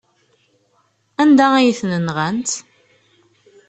Anda ay ten-nɣant?